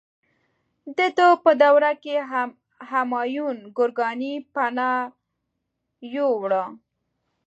د ده په دوره کې همایون ګورکاني پناه یووړه.